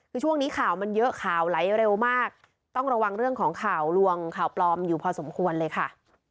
คือช่วงนี้ข่าวมันเยอะข่าวไหลเร็วมากต้องระวังเรื่องของข่าวลวงข่าวปลอมอยู่พอสมควรเลยค่ะ